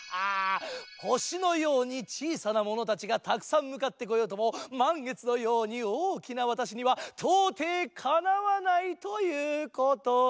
星のようにちいさなものたちがたくさんむかってこようともまんげつのようにおおきなわたしにはとうていかなわないということだ。